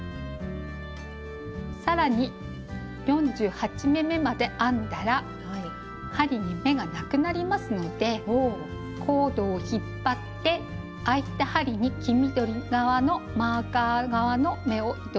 更に４８目めまで編んだら針に目がなくなりますのでコードを引っ張ってあいた針に黄緑側のマーカー側の目を移動させます。